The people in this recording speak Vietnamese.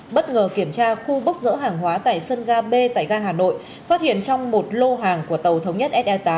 bất ngờ kiểm tra khu bốc dỡ hàng hóa tại sân ga b tại ga hà nội phát hiện trong một lô hàng của tàu thống nhất se tám